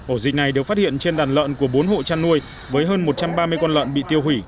ổ dịch này được phát hiện trên đàn lợn của bốn hộ chăn nuôi